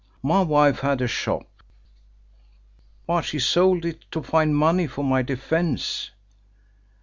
My wife had a shop, but she sold it to find money for my defence.